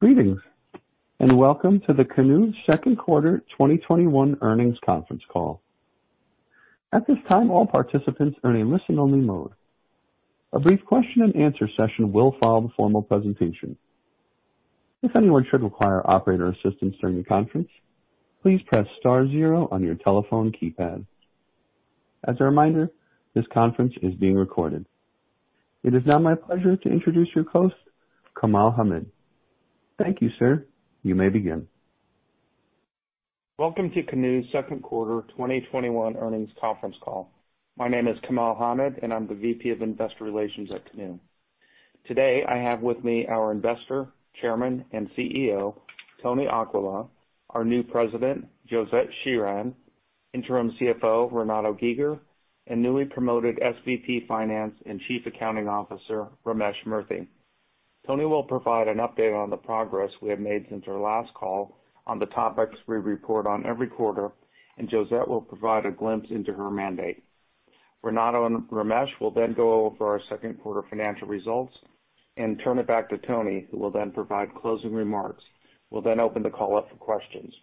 Greetings, and welcome to the Canoo second quarter 2021 earnings conference call. It is now my pleasure to introduce your host, Kamal Hamid. Thank you, sir. You may begin. Welcome to Canoo's second quarter 2021 earnings conference call. My name is Kamal Hamid, and I'm the VP of Investor Relations at Canoo. Today, I have with me our investor Chairman and CEO, Tony Aquila, our new President, Josette Sheeran, Interim CFO, Renato Giger, and newly promoted SVP finance and Chief Accounting Officer, Ramesh Murthy. Tony will provide an update on the progress we have made since our last call on the topics we report on every quarter, and Josette will provide a glimpse into her mandate. Renato and Ramesh will then go over our second quarter financial results and turn it back to Tony, who will then provide closing remarks. We'll then open the call up for questions.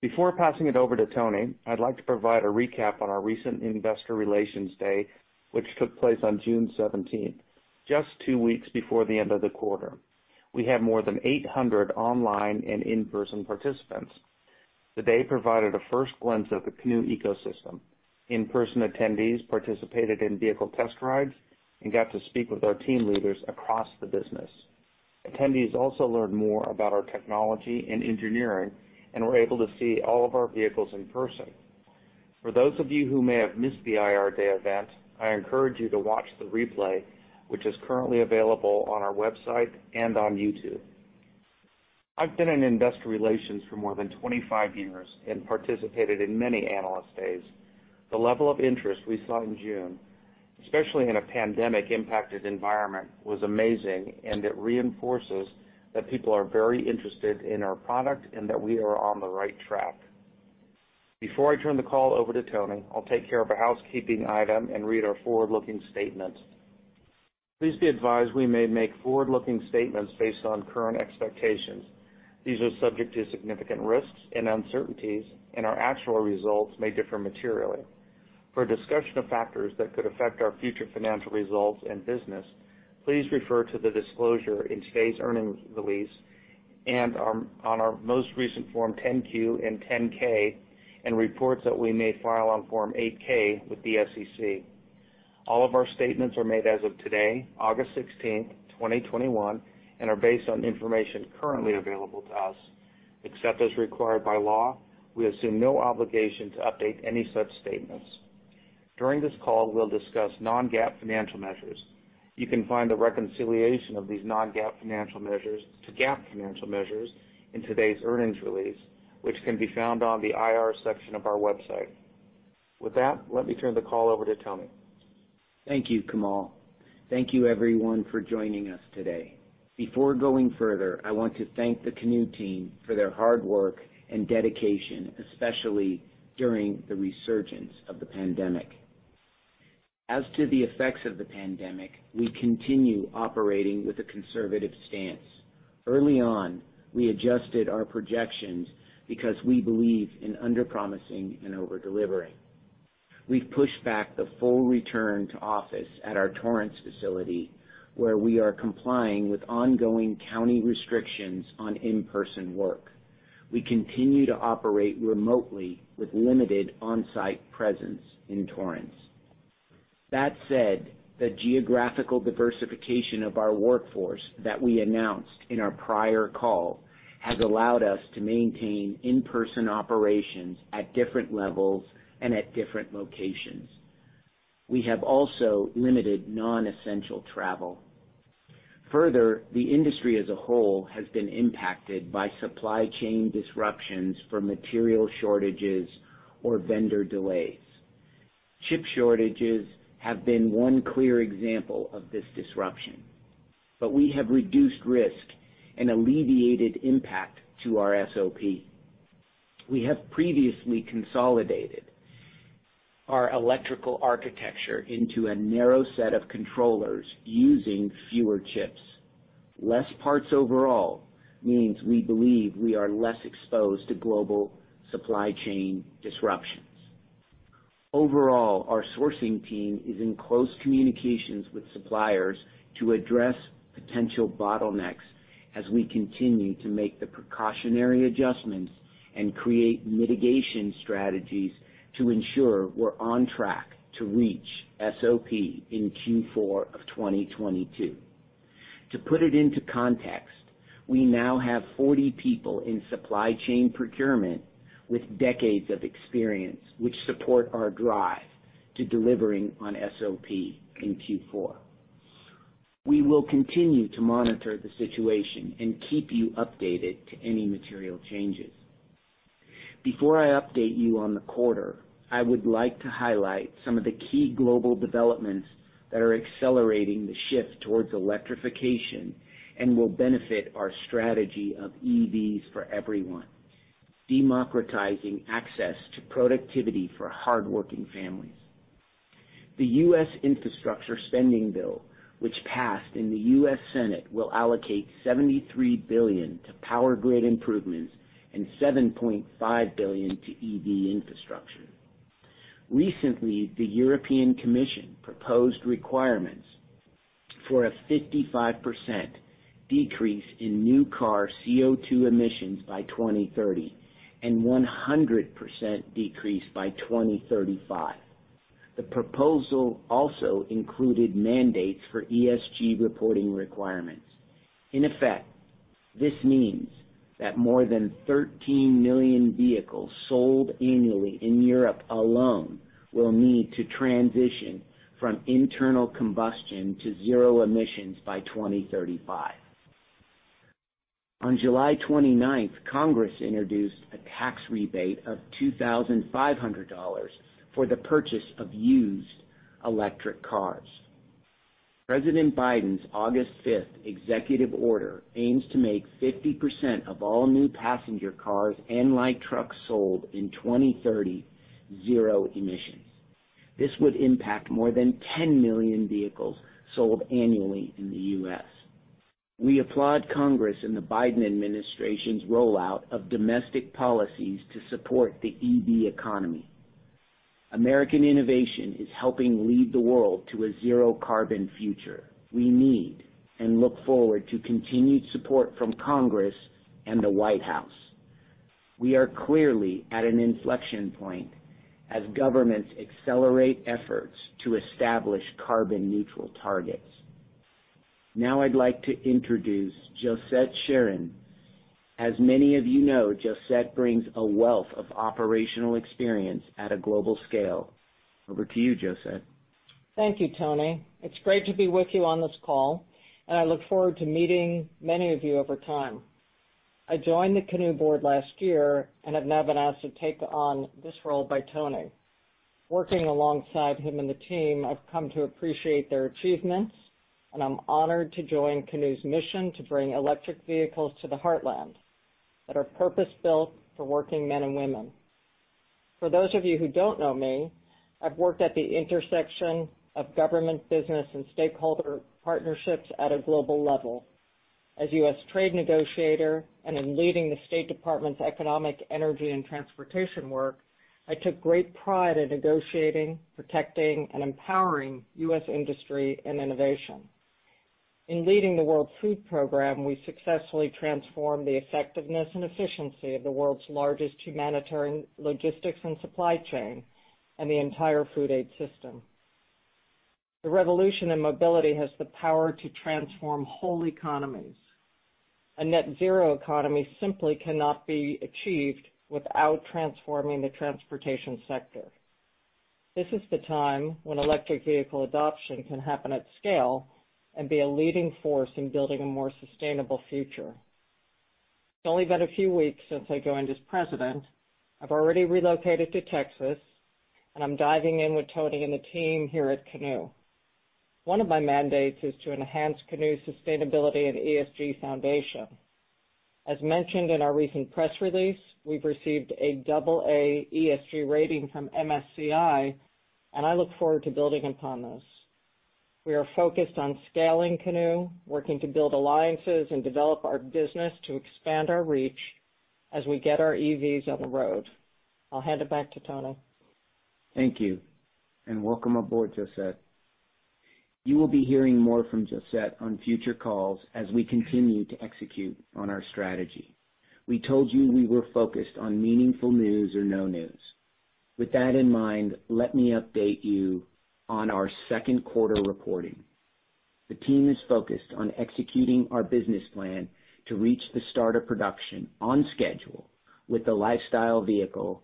Before passing it over to Tony, I'd like to provide a recap on our recent Investor Relations Day, which took place on June 17th, just two weeks before the end of the quarter. We had more than 800 online and in-person participants. The day provided a first glimpse of the Canoo ecosystem. In-person attendees participated in vehicle test rides and got to speak with our team leaders across the business. Attendees also learned more about our technology and engineering and were able to see all of our vehicles in person. For those of you who may have missed the IR Day event, I encourage you to watch the replay, which is currently available on our website and on YouTube. I've been in investor relations for more than 25 years and participated in many analyst days. The level of interest we saw in June, especially in a pandemic-impacted environment, was amazing, and it reinforces that people are very interested in our product and that we are on the right track. Before I turn the call over to Tony, I'll take care of a housekeeping item and read our forward-looking statement. Please be advised we may make forward-looking statements based on current expectations. These are subject to significant risks and uncertainties, and our actual results may differ materially. For a discussion of factors that could affect our future financial results and business, please refer to the disclosure in today's earnings release and on our most recent Form 10-Q and 10-K, and reports that we may file on Form 8-K with the SEC. All of our statements are made as of today, August 16th, 2021, and are based on information currently available to us. Except as required by law, we assume no obligation to update any such statements. During this call, we'll discuss non-GAAP financial measures. You can find the reconciliation of these non-GAAP financial measures to GAAP financial measures in today's earnings release, which can be found on the IR section of our website. With that, let me turn the call over to Tony. Thank you, Kamal. Thank you, everyone, for joining us today. Before going further, I want to thank the Canoo team for their hard work and dedication, especially during the resurgence of the pandemic. As to the effects of the pandemic, we continue operating with a conservative stance. Early on, we adjusted our projections because we believe in under-promising and over-delivering. We've pushed back the full return to office at our Torrance facility, where we are complying with ongoing county restrictions on in-person work. We continue to operate remotely with limited on-site presence in Torrance. That said, the geographical diversification of our workforce that we announced in our prior call has allowed us to maintain in-person operations at different levels and at different locations. We have also limited non-essential travel. Further, the industry as a whole has been impacted by supply chain disruptions from material shortages or vendor delays. Chip shortages have been one clear example of this disruption, but we have reduced risk and alleviated impact to our SOP. We have previously consolidated our electrical architecture into a narrow set of controllers using fewer chips. Less parts overall means we believe we are less exposed to global supply chain disruptions. Overall, our sourcing team is in close communications with suppliers to address potential bottlenecks as we continue to make the precautionary adjustments and create mitigation strategies to ensure we're on track to reach SOP in Q4 of 2022. To put it into context, we now have 40 people in supply chain procurement with decades of experience, which support our drive to delivering on SOP in Q4. We will continue to monitor the situation and keep you updated to any material changes. Before I update you on the quarter, I would like to highlight some of the key global developments that are accelerating the shift towards electrification and will benefit our strategy of EVs for everyone, democratizing access to productivity for hardworking families. The U.S. Infrastructure Spending Bill, which passed in the U.S. Senate, will allocate $73 billion to power grid improvements and $7.5 billion to EV infrastructure. Recently, the European Commission proposed requirements for a 55% decrease in new car CO2 emissions by 2030 and 100% decrease by 2035. The proposal also included mandates for ESG reporting requirements. In effect, this means that more than 13 million vehicles sold annually in Europe alone will need to transition from internal combustion to zero emissions by 2035. On July 29th, Congress introduced a tax rebate of $2,500 for the purchase of used electric cars. President Biden's August 5th executive order aims to make 50% of all new passenger cars and light trucks sold in 2030 zero emissions. This would impact more than 10 million vehicles sold annually in the U.S. We applaud Congress and the Biden administration's rollout of domestic policies to support the EV economy. American innovation is helping lead the world to a zero-carbon future. We need and look forward to continued support from Congress and the White House. We are clearly at an inflection point as governments accelerate efforts to establish carbon neutral targets. Now I'd like to introduce Josette Sheeran. As many of you know, Josette brings a wealth of operational experience at a global scale. Over to you, Josette. Thank you, Tony. It's great to be with you on this call, and I look forward to meeting many of you over time. I joined the Canoo board last year and have now been asked to take on this role by Tony. Working alongside him and the team, I've come to appreciate their achievements, and I'm honored to join Canoo's mission to bring electric vehicles to the heartland that are purpose-built for working men and women. For those of you who don't know me, I've worked at the intersection of government business and stakeholder partnerships at a global level. As U.S. trade negotiator and in leading the State Department's economic, energy, and transportation work, I took great pride in negotiating, protecting, and empowering U.S. industry and innovation. In leading the World Food Programme, we successfully transformed the effectiveness and efficiency of the world's largest humanitarian logistics and supply chain and the entire food aid system. The revolution in mobility has the power to transform whole economies. A net zero economy simply cannot be achieved without transforming the transportation sector. This is the time when electric vehicle adoption can happen at scale and be a leading force in building a more sustainable future. It's only been a few weeks since I go in as president. I've already relocated to Texas, and I'm diving in with Tony and the team here at Canoo. One of my mandates is to enhance Canoo's sustainability and ESG foundation. As mentioned in our recent press release, we've received a double A ESG rating from MSCI, and I look forward to building upon this. We are focused on scaling Canoo, working to build alliances, and develop our business to expand our reach as we get our EVs on the road. I'll hand it back to Tony. Thank you, welcome aboard, Josette. You will be hearing more from Josette on future calls as we continue to execute on our strategy. We told you we were focused on meaningful news or no news. With that in mind, let me update you on our second quarter reporting. The team is focused on executing our business plan to reach the start of production on schedule with the Lifestyle Vehicle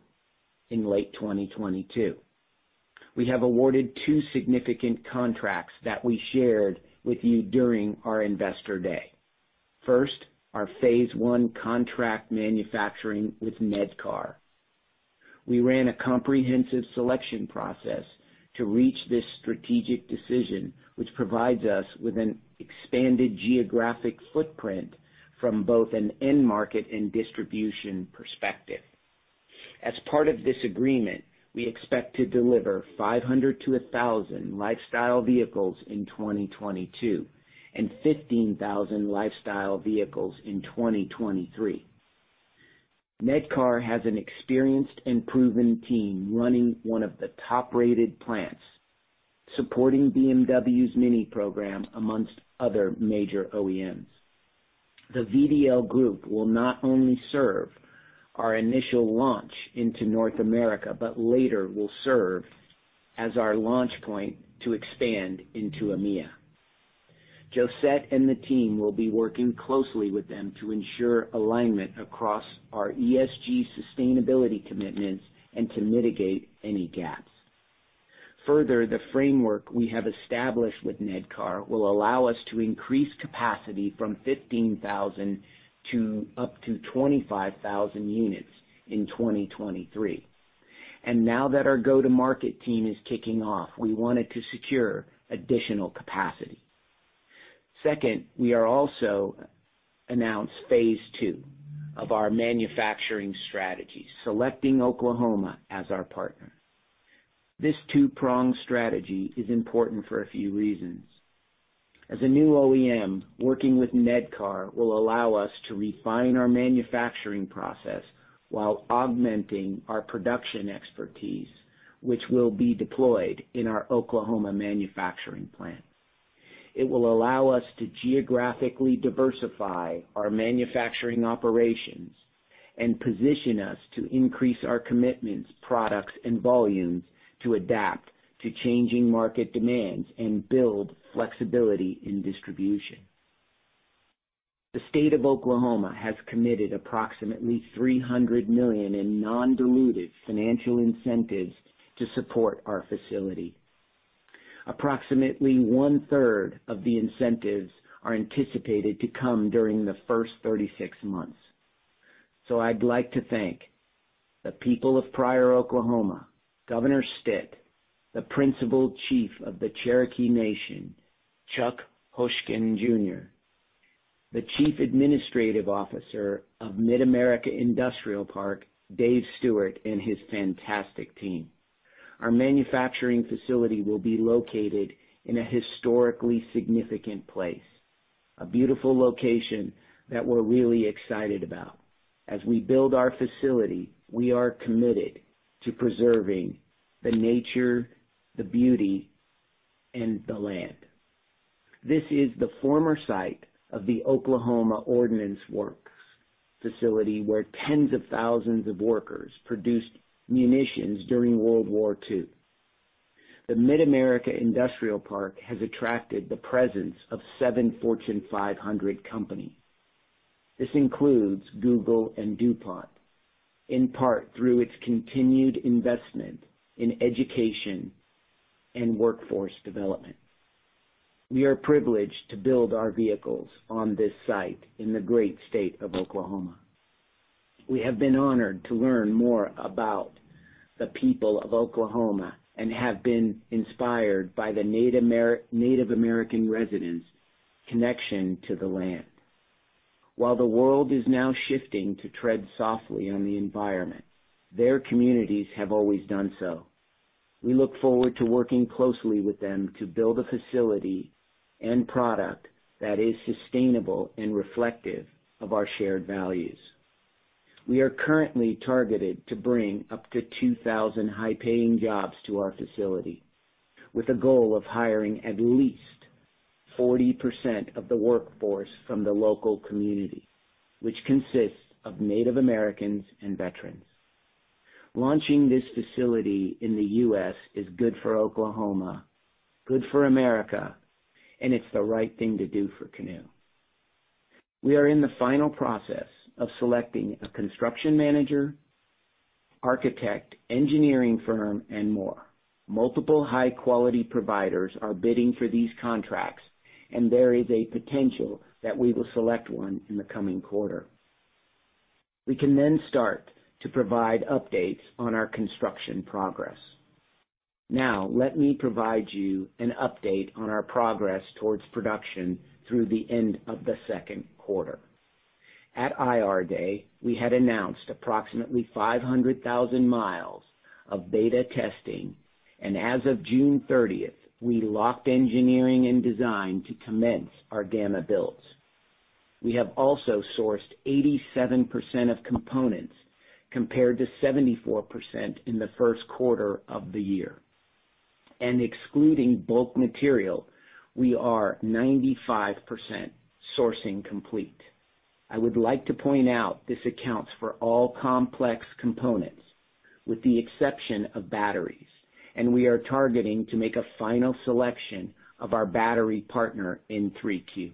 in late 2022. We have awarded two significant contracts that we shared with you during our Investor Day. Our phase one contract manufacturing with Nedcar. We ran a comprehensive selection process to reach this strategic decision, which provides us with an expanded geographic footprint from both an end market and distribution perspective. As part of this agreement, we expect to deliver 500-1,000 Lifestyle Vehicles in 2022 and 15,000 Lifestyle Vehicles in 2023. Nedcar has an experienced and proven team running one of the top-rated plants supporting BMW's MINI program amongst other major OEMs. The VDL Groep will not only serve our initial launch into North America but later will serve as our launch point to expand into EMEA. Josette and the team will be working closely with them to ensure alignment across our ESG sustainability commitments and to mitigate any gaps. Further, the framework we have established with Nedcar will allow us to increase capacity from 15,000 to up to 25,000 units in 2023. Now that our go-to-market team is kicking off, we wanted to secure additional capacity. Second, we are also announce phase two of our manufacturing strategy, selecting Oklahoma as our partner. This two-pronged strategy is important for a few reasons. As a new OEM, working with Nedcar will allow us to refine our manufacturing process while augmenting our production expertise, which will be deployed in our Oklahoma manufacturing plant. It will allow us to geographically diversify our manufacturing operations and position us to increase our commitments, products, and volumes to adapt to changing market demands and build flexibility in distribution. The state of Oklahoma has committed approximately $300 million in non-diluted financial incentives to support our facility. Approximately one-third of the incentives are anticipated to come during the first 36 months. I'd like to thank the people of Pryor, Oklahoma, Governor Stitt, the Principal Chief of the Cherokee Nation, Chuck Hoskin, Jr., the Chief Administrative Officer of MidAmerica Industrial Park, Dave Stewart, and his fantastic team. Our manufacturing facility will be located in a historically significant place, a beautiful location that we're really excited about. As we build our facility, we are committed to preserving the nature, the beauty, and the land. This is the former site of the Oklahoma Ordnance Works facility, where tens of thousands of workers produced munitions during World War II. The MidAmerica Industrial Park has attracted the presence of seven Fortune 500 companies. This includes Google and DuPont, in part through its continued investment in education and workforce development. We are privileged to build our vehicles on this site in the great state of Oklahoma. We have been honored to learn more about the people of Oklahoma and have been inspired by the Native American residents' connection to the land. While the world is now shifting to tread softly on the environment, their communities have always done so. We look forward to working closely with them to build a facility and product that is sustainable and reflective of our shared values. We are currently targeted to bring up to 2,000 high-paying jobs to our facility, with a goal of hiring at least 40% of the workforce from the local community, which consists of Native Americans and veterans. Launching this facility in the U.S. is good for Oklahoma, good for America, and it's the right thing to do for Canoo. We are in the final process of selecting a construction manager, architect, engineering firm, and more. Multiple high-quality providers are bidding for these contracts, and there is a potential that we will select one in the coming quarter. We can start to provide updates on our construction progress. Let me provide you an update on our progress towards production through the end of the second quarter. At IR Day, we had announced approximately 500,000 mi of beta testing, and as of June 30th, we locked engineering and design to commence our gamma builds. We have also sourced 87% of components, compared to 74% in the first quarter of the year. Excluding bulk material, we are 95% sourcing complete. I would like to point out this accounts for all complex components, with the exception of batteries, and we are targeting to make a final selection of our battery partner in 3Q.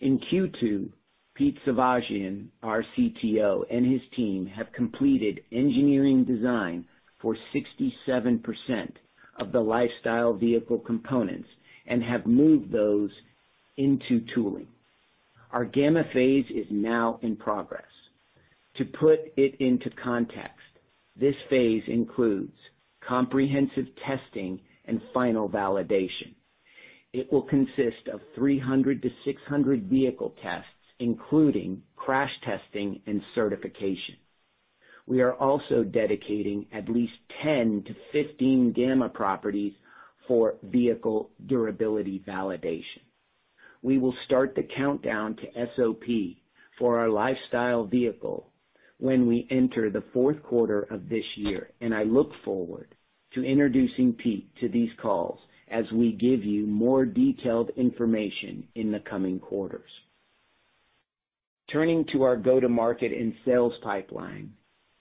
In Q2, Pete Savagian, our CTO, and his team have completed engineering design for 67% of the Lifestyle Vehicle components and have moved those into tooling. Our gamma phase is now in progress. To put it into context, this phase includes comprehensive testing and final validation. It will consist of 300 to 600 vehicle tests, including crash testing and certification. We are also dedicating at least 10-15 gamma properties for vehicle durability validation. We will start the countdown to SOP for our Lifestyle Vehicle when we enter the fourth quarter of this year, and I look forward to introducing Pete to these calls as we give you more detailed information in the coming quarters. Turning to our go-to-market and sales pipeline.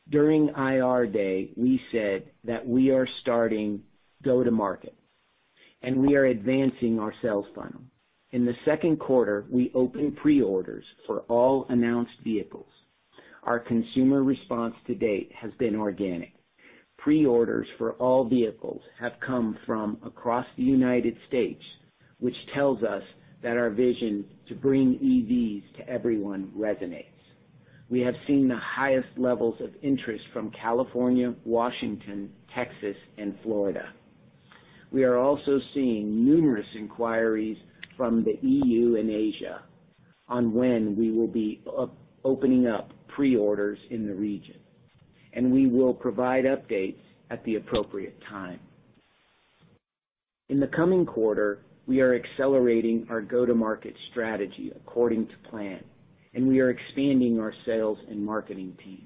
During IR Day, we said that we are starting go-to-market, and we are advancing our sales funnel. In the second quarter, we opened pre-orders for all announced vehicles. Our consumer response to date has been organic. Pre-orders for all vehicles have come from across the U.S., which tells us that our vision to bring EVs to everyone resonates. We have seen the highest levels of interest from California, Washington, Texas, and Florida. We are also seeing numerous inquiries from the E.U. and Asia on when we will be opening up pre-orders in the region, and we will provide updates at the appropriate time. In the coming quarter, we are accelerating our go-to-market strategy according to plan, and we are expanding our sales and marketing team.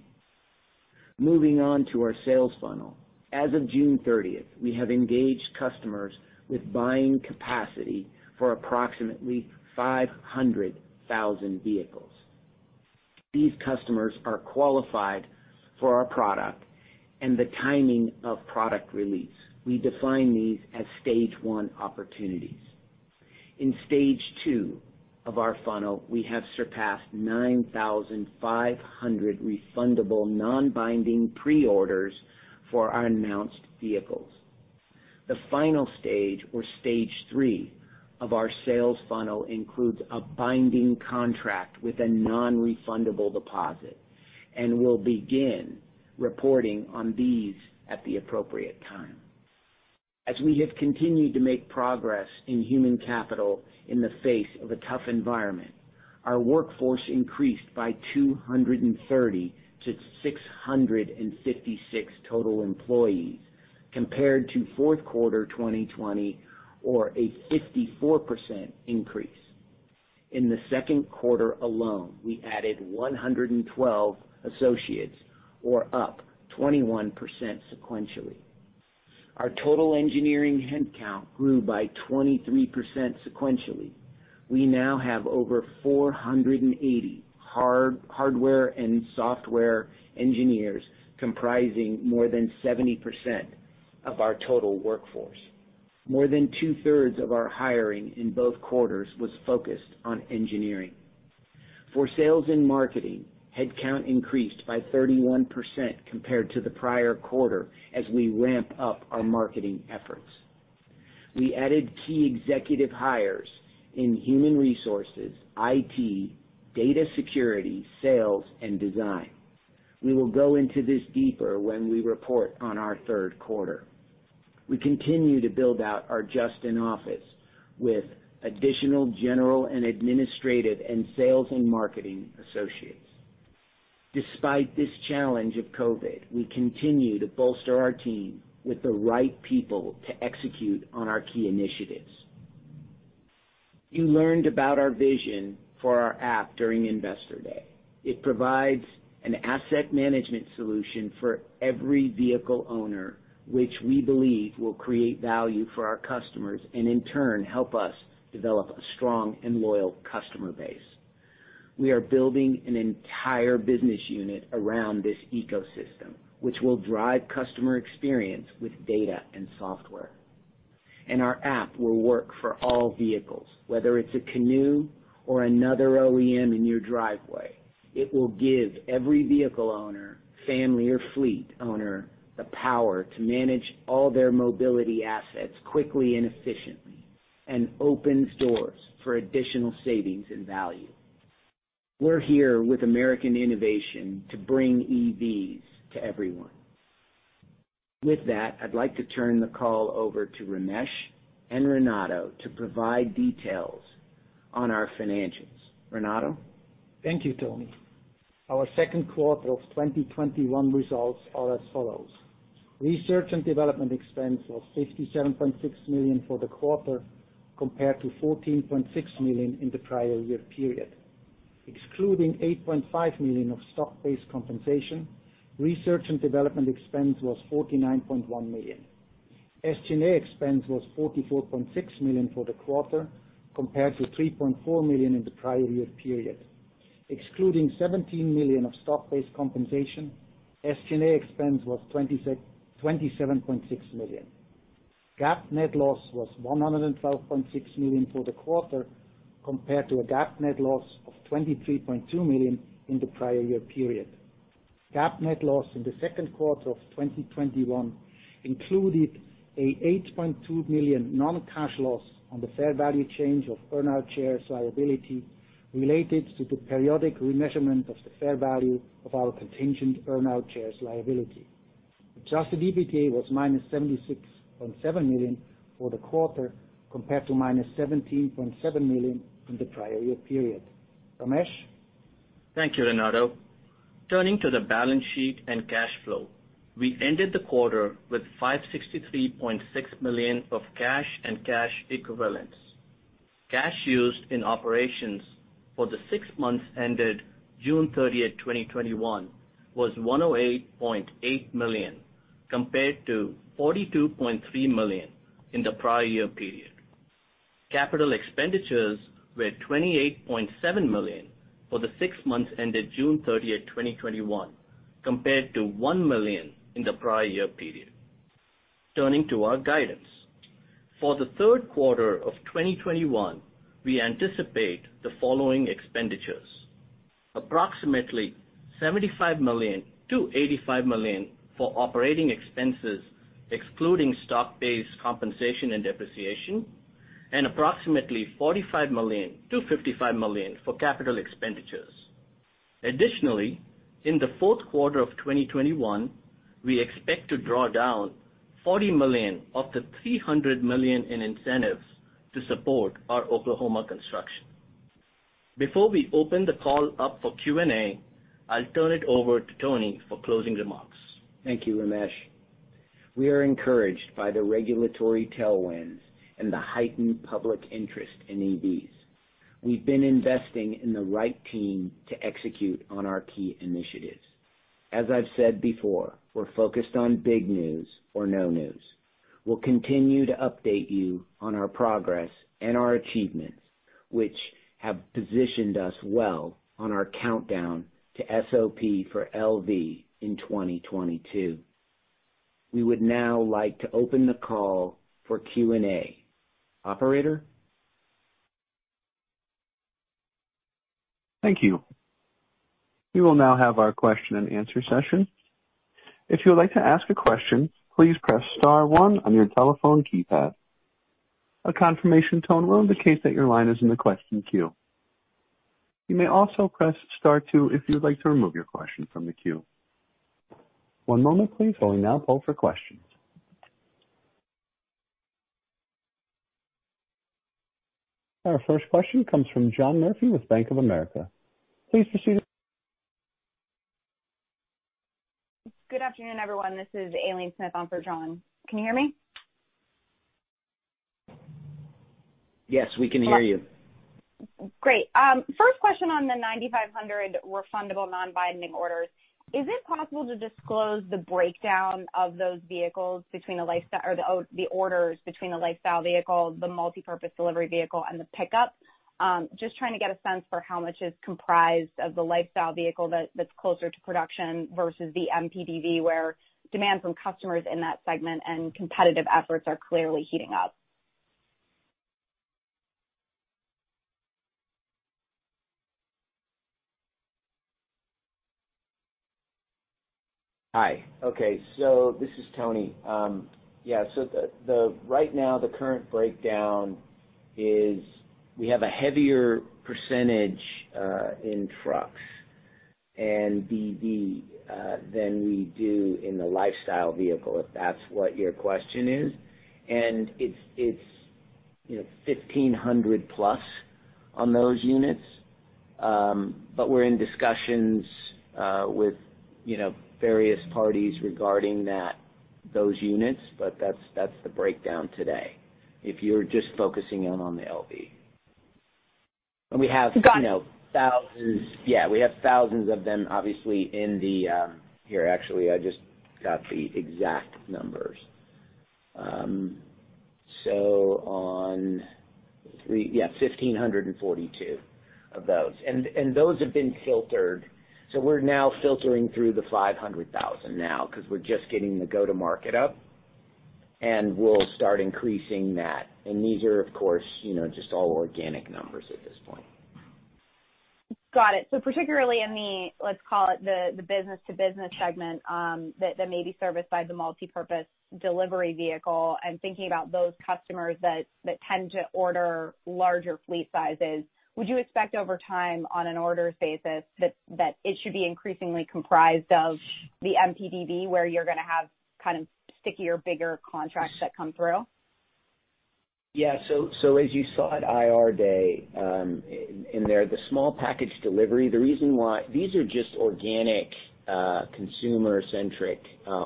Moving on to our sales funnel, as of June 30th, we have engaged customers with buying capacity for approximately 500,000 vehicles. These customers are qualified for our product and the timing of product release. We define these as stage one opportunities. In stage two of our funnel, we have surpassed 9,500 refundable non-binding pre-orders for our announced vehicles. The final stage, or stage three, of our sales funnel includes a binding contract with a non-refundable deposit, and we'll begin reporting on these at the appropriate time. As we have continued to make progress in human capital in the face of a tough environment, our workforce increased by 230 to 656 total employees compared to fourth quarter 2020, or a 54% increase. In the second quarter alone, we added 112 associates, or up 21% sequentially. Our total engineering headcount grew by 23% sequentially. We now have over 480 hardware and software engineers comprising more than 70% of our total workforce. More than two-thirds of our hiring in both quarters was focused on engineering. For sales and marketing, headcount increased by 31% compared to the prior quarter as we ramp up our marketing efforts. We added key executive hires in human resources, IT, data security, sales, and design. We will go into this deeper when we report on our third quarter. We continue to build out our Justin office with additional general and administrative and sales and marketing associates. Despite this challenge of COVID, we continue to bolster our team with the right people to execute on our key initiatives. You learned about our vision for our app during Investor Day. It provides an asset management solution for every vehicle owner, which we believe will create value for our customers and, in turn, help us develop a strong and loyal customer base. We are building an entire business unit around this ecosystem, which will drive customer experience with data and software. Our app will work for all vehicles, whether it's a Canoo or another OEM in your driveway. It will give every vehicle owner, family or fleet owner the power to manage all their mobility assets quickly and efficiently and opens doors for additional savings and value. We're here with American Innovation to bring EVs to everyone. With that, I'd like to turn the call over to Ramesh and Renato to provide details on our financials. Renato? Thank you, Tony. Our second quarter of 2021 results are as follows. Research and development expense was $57.6 million for the quarter, compared to $14.6 million in the prior year period. Excluding $8.5 million of stock-based compensation, research and development expense was $49.1 million. SG&A expense was $44.6 million for the quarter, compared to $3.4 million in the prior year period. Excluding $17 million of stock-based compensation, SG&A expense was $27.6 million. GAAP net loss was $112.6 million for the quarter, compared to a GAAP net loss of $23.2 million in the prior year period. GAAP net loss in the second quarter of 2021 included an $8.2 million non-cash loss on the fair value change of earnout shares liability related to the periodic remeasurement of the fair value of our contingent earnout shares liability. Adjusted EBITDA was minus $76.7 million for the quarter, compared to minus $17.7 million in the prior year period. Ramesh? Thank you, Renato. Turning to the balance sheet and cash flow, we ended the quarter with $563.6 million of cash and cash equivalents. Cash used in operations for the six months ended June 30th, 2021, was $108.8 million, compared to $42.3 million in the prior year period. Capital expenditures were $28.7 million for the six months ended June 30th, 2021, compared to $1 million in the prior year period. Turning to our guidance. For the third quarter of 2021, we anticipate the following expenditures. Approximately $75 million-$85 million for operating expenses, excluding stock-based compensation and depreciation. Approximately $45 million-$55 million for capital expenditures. Additionally, in the fourth quarter of 2021, we expect to draw down $40 million of the $300 million in incentives to support our Oklahoma construction. Before we open the call up for Q&A, I'll turn it over to Tony for closing remarks. Thank you, Ramesh. We are encouraged by the regulatory tailwinds and the heightened public interest in EVs. We've been investing in the right team to execute on our key initiatives. As I've said before, we're focused on big news or no news. We'll continue to update you on our progress and our achievements, which have positioned us well on our countdown to SOP for LV in 2022. We would now like to open the call for Q&A. Operator? Thank you. We will now have our question and answer session. If you would like to ask a question, please press star one on your telephone keypad. A confirmation tone will indicate that your line is in the question queue. You may also press star two if you would like to remove your question from the queue. One moment please while we now poll for questions. Our first question comes from John Murphy with Bank of America. Please proceed. Good afternoon, everyone. This is Aileen Smith on for John. Can you hear me? Yes, we can hear you. Great. First question on the 9,500 refundable non-binding orders. Is it possible to disclose the breakdown of those vehicles between the Lifestyle or the orders between the Lifestyle Vehicle, the Multi-Purpose Delivery Vehicle, and the pickup? Just trying to get a sense for how much is comprised of the Lifestyle Vehicle that's closer to production versus the MPDV, where demand from customers in that segment and competitive efforts are clearly heating up. Hi. Okay, this is Tony. Yeah. Right now, the current breakdown is we have a heavier percentage in trucks and DD than we do in the Lifestyle Vehicle, if that's what your question is. It's 1,500-plus on those units. We're in discussions with various parties regarding those units. That's the breakdown today. If you're just focusing in on the LV. Got it. thousands. Yeah, we have thousands of them, obviously. Actually, I just got the exact numbers, 1,542 of those. Those have been filtered. We're now filtering through the 500,000 now because we're just getting the go to market up, and we'll start increasing that. These are, of course, just all organic numbers at this point. Got it. Particularly in the, let's call it, the business-to-business segment, that may be serviced by the Multi-Purpose Delivery Vehicle, I'm thinking about those customers that tend to order larger fleet sizes. Would you expect over time on an order basis that it should be increasingly comprised of the MPDV, where you're going to have kind of stickier, bigger contracts that come through? As you saw at IR day, in there, the small package delivery, these are just organic, consumer-centric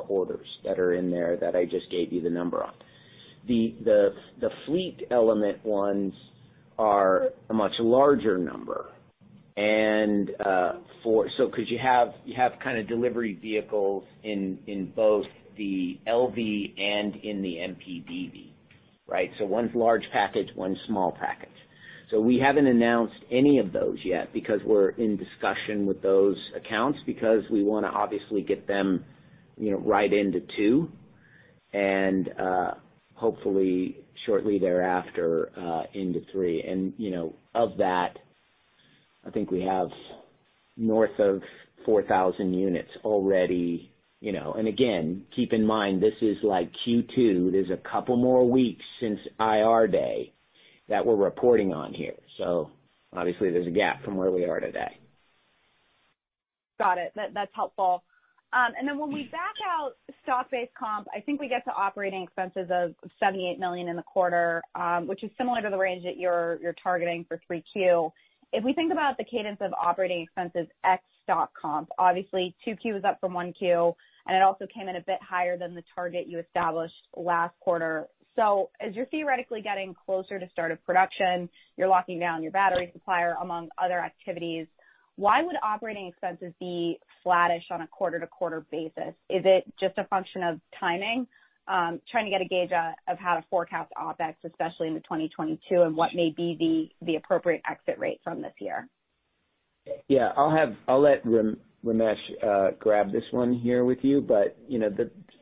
orders that are in there that I just gave you the number on. The fleet element ones are a much larger number. Because you have kind of delivery vehicles in both the LV and in the MPDV, right? One's large package, one's small package. We haven't announced any of those yet because we're in discussion with those accounts because we want to obviously get them ride into two and, hopefully shortly thereafter, into three. Of that, I think we have north of 4,000 units already. Again, keep in mind, this is like Q2. There's a couple more weeks since IR day that we're reporting on here. Obviously, there's a gap from where we are today. Got it. That's helpful. When we back out stock-based comp, I think we get to operating expenses of $78 million in the quarter, which is similar to the range that you're targeting for 3Q. If we think about the cadence of operating expenses ex stock comps, obviously 2Q is up from 1Q, and it also came in a bit higher than the target you established last quarter. As you're theoretically getting closer to start of production, you're locking down your battery supplier, among other activities. Why would operating expenses be flattish on a quarter-to-quarter basis? Is it just a function of timing? Trying to get a gauge of how to forecast OpEx, especially into 2022, and what may be the appropriate exit rates on this year. Yeah. I'll let Ramesh grab this one here with you.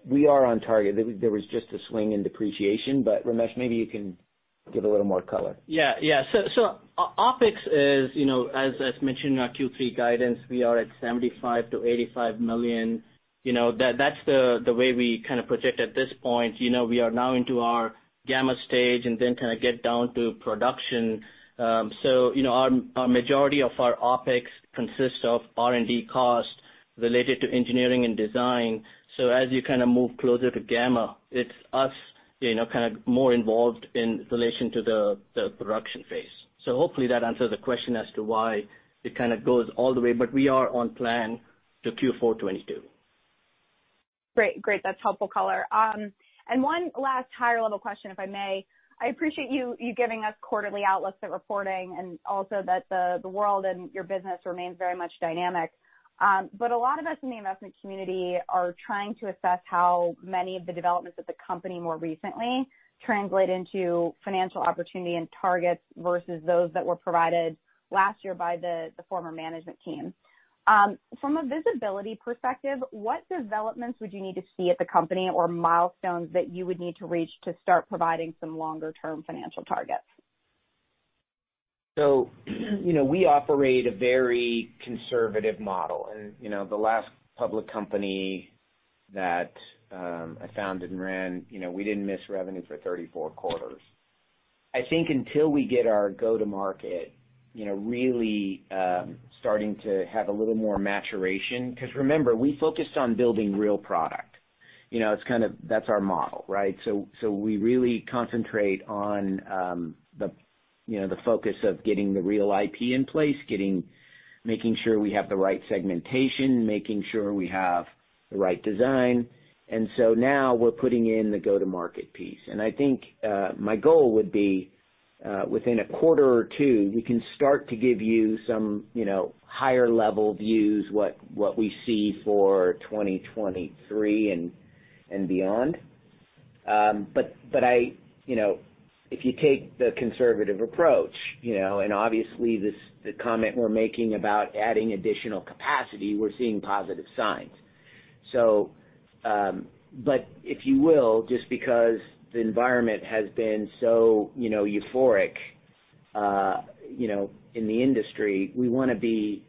We are on target. There was just a swing in depreciation. Ramesh, maybe you can give a little more color. Yeah. OpEx is, as mentioned in our Q3 guidance, we are at $75 million-$85 million. That's the way we kind of project at this point. We are now into our gamma stage and then kind of get down to production. Our majority of our OpEx consists of R&D costs related to engineering and design. As you kind of move closer to gamma, it's us kind of more involved in relation to the production phase. Hopefully that answers the question as to why it kind of goes all the way, we are on plan to Q4 2022. Great. That's helpful color. One last higher level question, if I may. I appreciate you giving us quarterly outlooks at reporting and also that the world and your business remains very much dynamic. A lot of us in the investment community are trying to assess how many of the developments of the company more recently translate into financial opportunity and targets versus those that were provided last year by the former management team. From a visibility perspective, what developments would you need to see at the company or milestones that you would need to reach to start providing some longer-term financial targets? We operate a very conservative model and the last public company that I founded and ran, we didn't miss revenue for 34 quarters. I think until we get our go to market really starting to have a little more maturation, because remember, we focused on building real product. That's our model, right? We really concentrate on the focus of getting the real IP in place, making sure we have the right segmentation, making sure we have the right design. Now we're putting in the go-to-market piece. I think my goal would be within a quarter or two, we can start to give you some higher level views what we see for 2023 and beyond. If you take the conservative approach, and obviously the comment we're making about adding additional capacity, we're seeing positive signs. If you will, just because the environment has been so euphoric in the industry, we want to be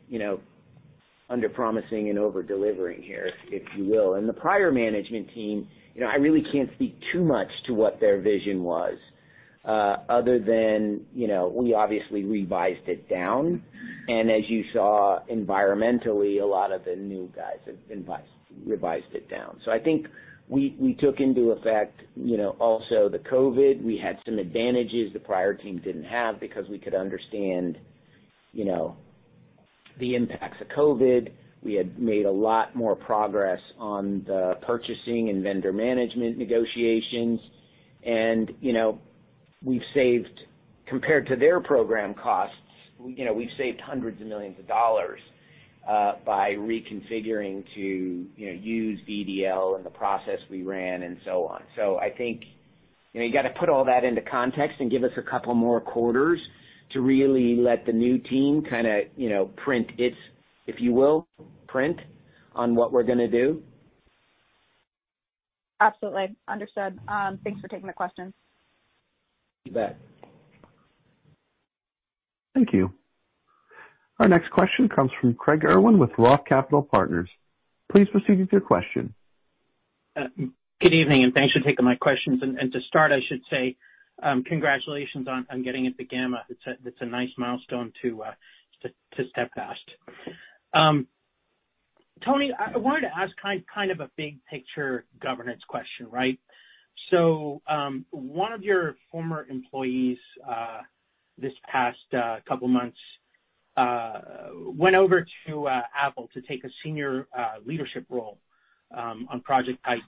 under promising and over delivering here, if you will. The prior management team, I really can't speak too much to what their vision was other than we obviously revised it down. As you saw environmentally, a lot of the new guys have revised it down. I think we took into effect also the COVID. We had some advantages the prior team didn't have because we could understand the impacts of COVID. We had made a lot more progress on the purchasing and vendor management negotiations. Compared to their program costs, we've saved hundreds of millions of dollars by reconfiguring to use VDL and the process we ran and so on. I think you got to put all that into context and give us a couple more quarters to really let the new team kind of print its, if you will, print on what we're going to do. Absolutely. Understood. Thanks for taking the question. You bet. Thank you. Our next question comes from Craig Irwin with Roth Capital Partners. Please proceed with your question. Good evening, and thanks for taking my questions. To start, I should say congratulations on getting into Gamma. It's a nice milestone to step past. Tony, I wanted to ask kind of a big picture governance question, right? So one of your former employees this past couple of months went over to Apple to take a senior leadership role on Project Titan.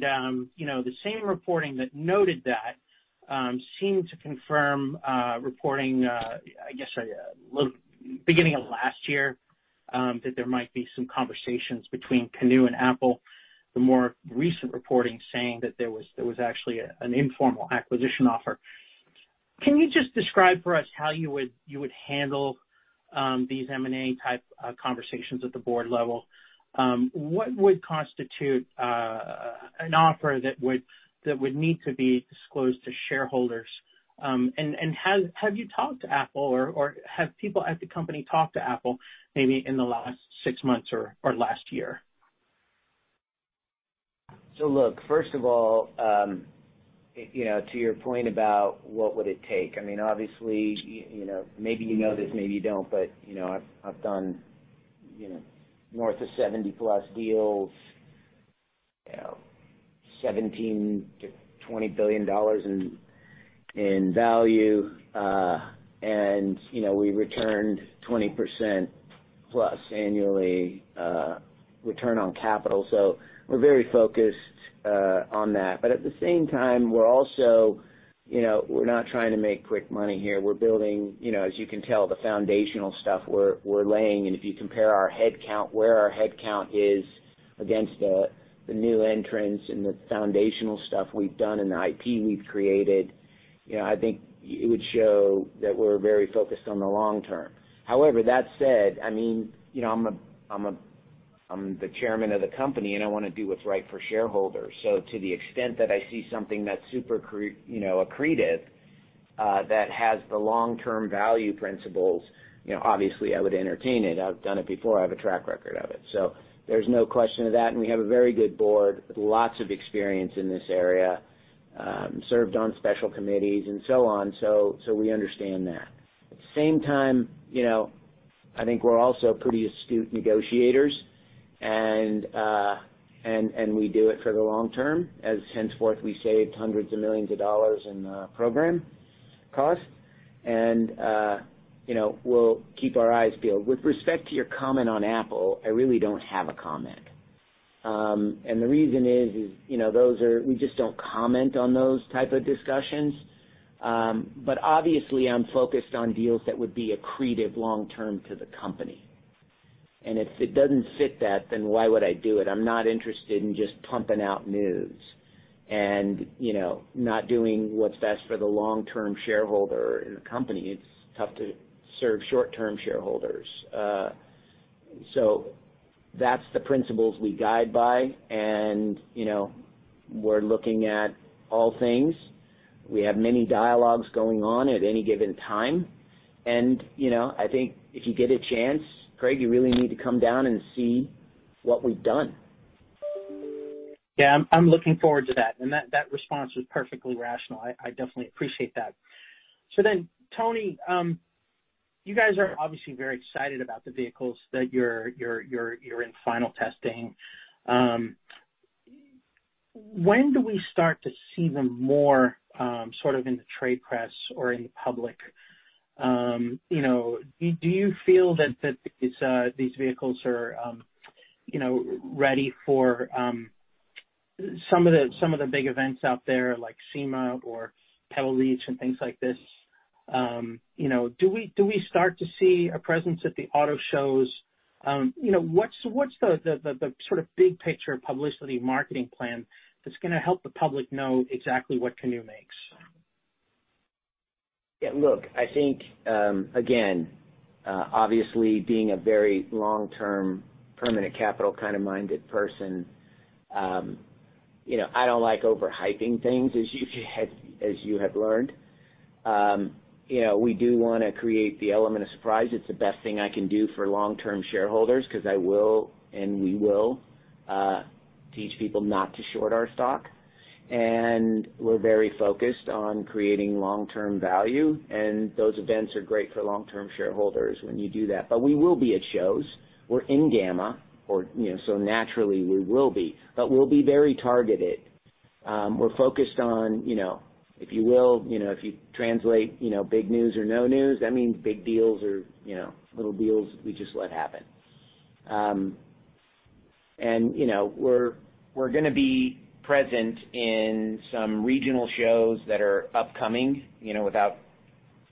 The same reporting that noted that seemed to confirm reporting, I guess, beginning of last year that there might be some conversations between Canoo and Apple, the more recent reporting saying that there was actually an informal acquisition offer. Can you just describe for us how you would handle these M&A type conversations at the board level? What would constitute an offer that would need to be disclosed to shareholders? Have you talked to Apple, or have people at the company talked to Apple maybe in the last six months or last year? Look, first of all, to your point about what would it take, obviously, maybe you know this, maybe you don't, but I've done north of 70+ deals, $17 billion-$20 billion in value. We returned 20%+ annually return on capital. We're very focused on that. At the same time, we're not trying to make quick money here. We're building, as you can tell, the foundational stuff we're laying, and if you compare our headcount, where our headcount is against the new entrants and the foundational stuff we've done and the IP we've created, I think it would show that we're very focused on the long term. That said, I'm the Chairman of the company, and I want to do what's right for shareholders. To the extent that I see something that's super accretive that has the long-term value principles, obviously I would entertain it. I've done it before. I have a track record of it. There's no question of that, and we have a very good board with lots of experience in this area, served on special committees and so on. We understand that. At the same time, I think we're also pretty astute negotiators, and we do it for the long term, as henceforth we saved hundreds of millions of dollars in program cost. We'll keep our eyes peeled. With respect to your comment on Apple, I really don't have a comment. The reason is we just don't comment on those type of discussions. Obviously I'm focused on deals that would be accretive long-term to the company. If it doesn't fit that, then why would I do it? I'm not interested in just pumping out news and not doing what's best for the long-term shareholder in the company. It's tough to serve short-term shareholders. That's the principles we guide by, and we're looking at all things. We have many dialogues going on at any given time. I think if you get a chance, Craig, you really need to come down and see what we've done. I'm looking forward to that. That response was perfectly rational. I definitely appreciate that. Tony, you guys are obviously very excited about the vehicles that you're in final testing. When do we start to see them more in the trade press or in the public? Do you feel that these vehicles are ready for some of the big events out there, like SEMA or Pebble Beach and things like this? Do we start to see a presence at the auto shows? What's the big-picture publicity marketing plan that's going to help the public know exactly what Canoo makes? Yeah, look, I think, again, obviously being a very long-term, permanent capital kind of minded person, I don't like over-hyping things, as you have learned. We do want to create the element of surprise. It's the best thing I can do for long-term shareholders because I will, and we will, teach people not to short our stock. We're very focused on creating long-term value, and those events are great for long-term shareholders when you do that. We will be at shows. We're in SEMA, naturally we will be. We'll be very targeted. We're focused on, if you will, if you translate big news or no news, that means big deals or little deals we just let happen. We're going to be present in some regional shows that are upcoming, without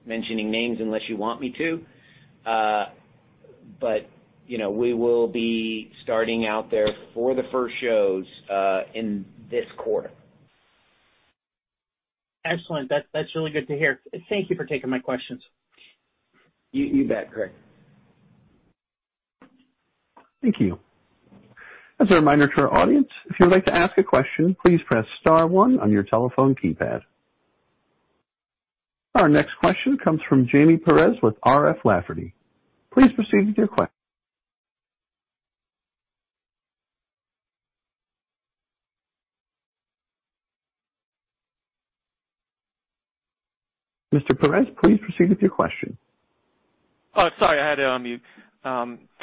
mentioning names unless you want me to. We will be starting out there for the first shows in this quarter. Excellent. That's really good to hear. Thank you for taking my questions. You bet, Craig. Thank you. Our next question comes from Jaime Perez with R.F. Lafferty. Mr. Perez, please proceed with your question. Sorry, I had it on mute.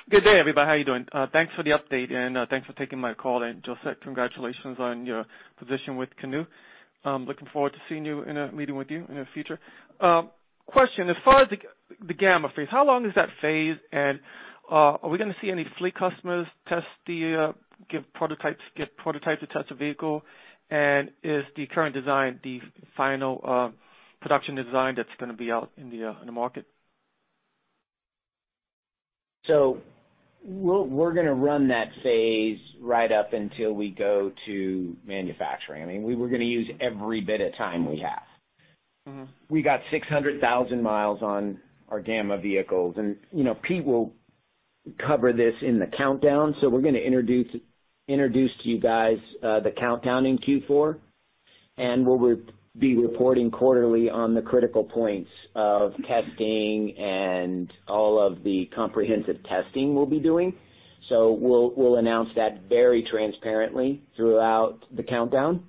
Good day, everybody. How are you doing? Thanks for the update, and thanks for taking my call. Josette, congratulations on your position with Canoo. I'm looking forward to meeting with you in the future. Question, as far as the gamma phase, how long is that phase, and are we going to see any fleet customers get prototypes to test the vehicle? Is the current design the final production design that's going to be out in the market? We're going to run that phase right up until we go to manufacturing. We were going to use every bit of time we have. We got 600,000 miles on our gamma vehicles. Pete will cover this in the countdown. We're going to introduce to you guys the countdown in Q4. We'll be reporting quarterly on the critical points of testing and all of the comprehensive testing we'll be doing. We'll announce that very transparently throughout the countdown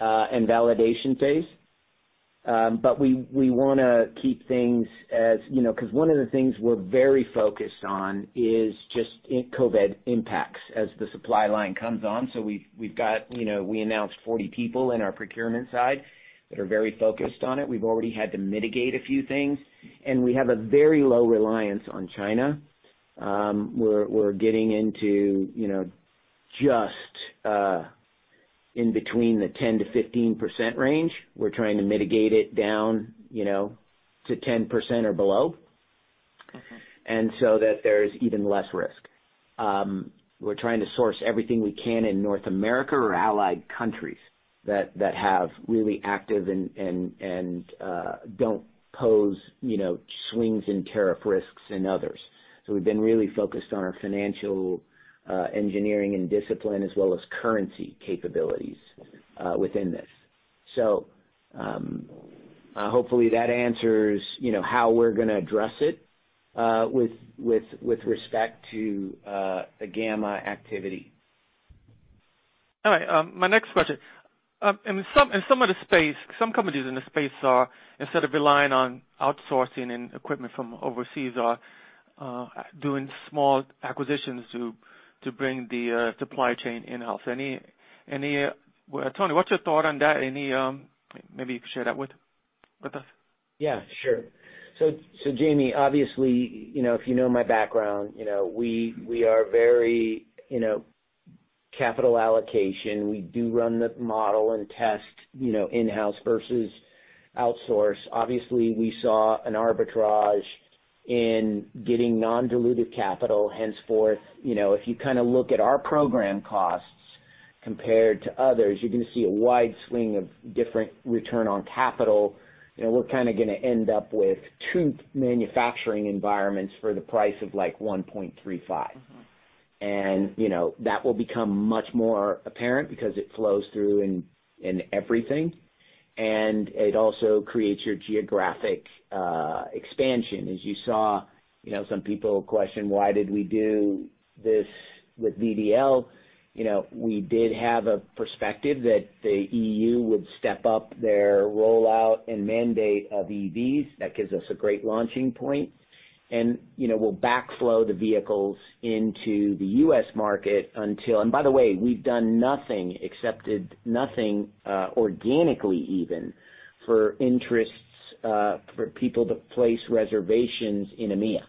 and validation phase. We want to keep things. Because one of the things we're very focused on is just COVID impacts as the supply line comes on. We announced 40 people in our procurement side that are very focused on it. We've already had to mitigate a few things. We have a very low reliance on China. We're getting into just in between the 10%-15% range. We're trying to mitigate it down to 10% or below. Okay. That there is even less risk. We're trying to source everything we can in North America or allied countries that have really active and don't pose swings in tariff risks in others. We've been really focused on our financial engineering and discipline as well as currency capabilities within this. Hopefully, that answers how we're going to address it with respect to the Gamma activity. All right. My next question. In some of the space, some companies in the space are, instead of relying on outsourcing and equipment from overseas, are doing small acquisitions to bring the supply chain in-house. Tony, what's your thought on that? Maybe you could share that with us. Yeah, sure. Jaime, obviously, if you know my background, we are very capital allocation. We do run the model and test in-house versus outsource. Obviously, we saw an arbitrage in getting non-dilutive capital, henceforth. If you look at our program costs compared to others, you're going to see a wide swing of different return on capital. We're going to end up with two manufacturing environments for the price of $1.35. That will become much more apparent because it flows through in everything. It also creates your geographic expansion. As you saw, some people question why did we do this with VDL. We did have a perspective that the E.U. would step up their rollout and mandate of EVs. That gives us a great launching point. We'll backflow the vehicles into the U.S. market. By the way, we've done nothing, accepted nothing organically even, for interests for people to place reservations in EMEA.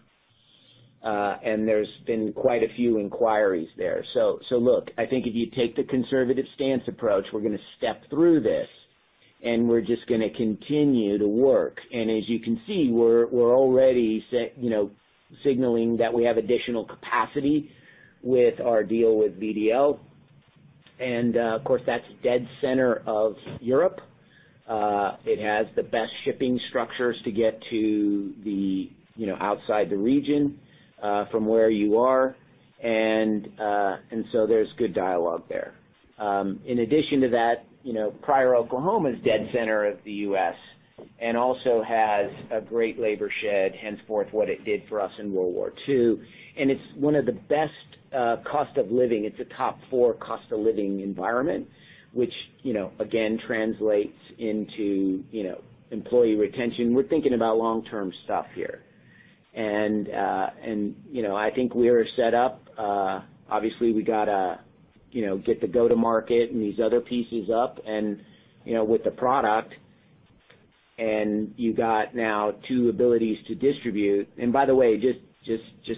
There's been quite a few inquiries there. Look, I think if you take the conservative stance approach, we're going to step through this, and we're just going to continue to work. As you can see, we're already signaling that we have additional capacity with our deal with VDL. Of course, that's dead center of Europe. It has the best shipping structures to get to the outside the region, from where you are. So there's good dialogue there. In addition to that, Pryor, Oklahoma, is dead center of the U.S., and also has a great labor shed, henceforth, what it did for us in World War II, and it's one of the best cost of living. It's a top four cost of living environment, which, again, translates into employee retention. We're thinking about long-term stuff here. I think we are set up. Obviously, we got to get the go-to-market and these other pieces up, and with the product, and you got now two abilities to distribute. By the way just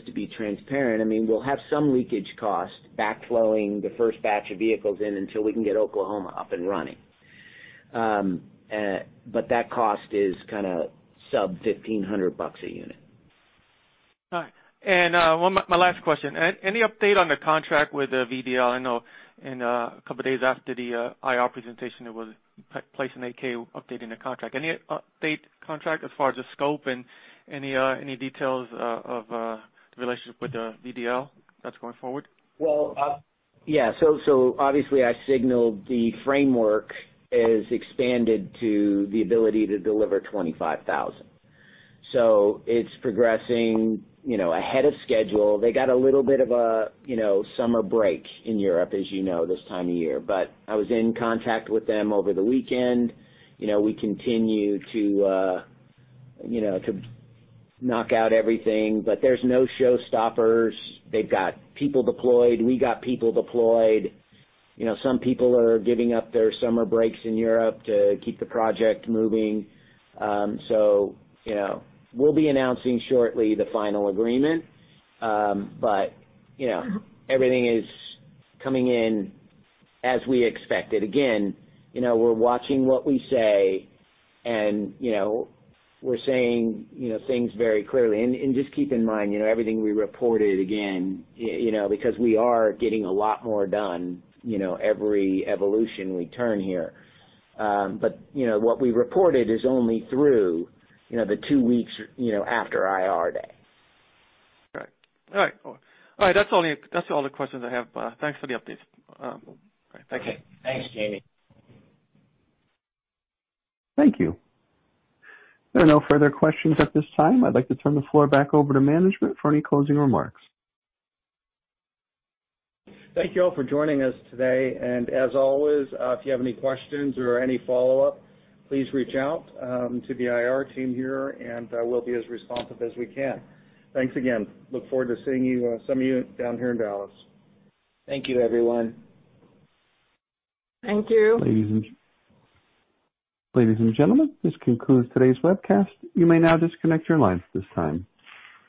to be transparent, we'll have some leakage cost backflowing the first batch of vehicles in until we can get Oklahoma up and running. That cost is sub-$1,500 a unit. All right. My last question. Any update on the contract with VDL? I know in a couple of days after the IR presentation, it was placed in 8-K updating the contract. Any update contract as far as the scope and any details of the relationship with VDL that's going forward? Well, yeah. Obviously I signaled the framework is expanded to the ability to deliver 25,000. It's progressing ahead of schedule. They got a little bit of a summer break in Europe, as you know, this time of year. I was in contact with them over the weekend. We continue to knock out everything, but there's no show-stoppers. They've got people deployed. We got people deployed. Some people are giving up their summer breaks in Europe to keep the project moving. We'll be announcing shortly the final agreement. everything is coming in as we expected. Again, we're watching what we say, and we're saying things very clearly. Just keep in mind, everything we reported, again, because we are getting a lot more done every evolution we turn here. What we reported is only through the 2 weeks after IR day. Right. All right. That's all the questions I have. Thanks for the updates. All right. Thank you. Okay. Thanks, Jaime. Thank you. There are no further questions at this time. I'd like to turn the floor back over to management for any closing remarks. Thank you all for joining us today. As always, if you have any questions or any follow-up, please reach out to the IR team here, and we'll be as responsive as we can. Thanks again. Look forward to seeing some of you down here in Dallas. Thank you, everyone. Thank you. Ladies and gentlemen, this concludes today's webcast. You may now disconnect your lines at this time.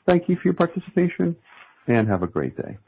Thank you for your participation, and have a great day.